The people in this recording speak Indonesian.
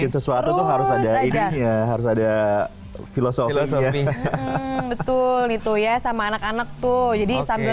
sesuatu tuh harus ada ini ya harus ada filosofi betul itu ya sama anak anak tuh jadi sambil